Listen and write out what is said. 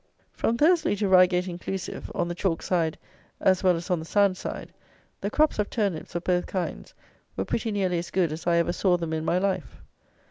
From Thursley to Reigate inclusive, on the chalk side as well as on the sand side, the crops of turnips, of both kinds, were pretty nearly as good as I ever saw them in my life.